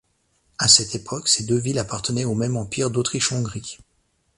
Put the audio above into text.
À cette époque ces deux villes appartenaient au même Empire d'Autriche-Hongrie.